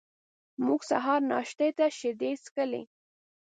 موږ سهار ناشتې ته شیدې څښلې.